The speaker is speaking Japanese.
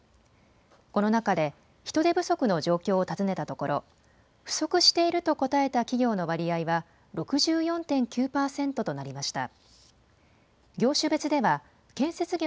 この中で人手不足の状況を尋ねたところ不足していると答えた企業の割合は６４．９％となりました。